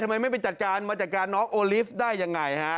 ทำไมไม่ไปจัดการมาจัดการน้องโอลิฟต์ได้ยังไงฮะ